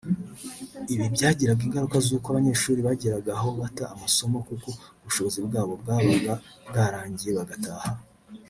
Ibi byagiraga ingaruka z’uko abanyeshuri bageraga aho bata amasomo kuko ubushobozi bwabo bwabaga bwarangiye bagataha